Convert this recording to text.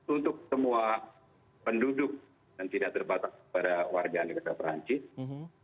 untuk semua penduduk dan tidak terbatas kepada warga negara